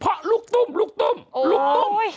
เพราะลูกตุ้มลูกตุ้มลูกตุ้ม